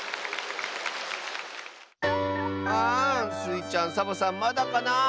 あスイちゃんサボさんまだかなあ。